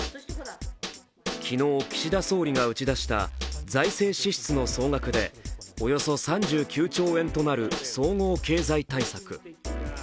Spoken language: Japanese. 昨日、岸田総理が打ち出した財政支出の総額でおよそ３９兆円となる総合経済対策。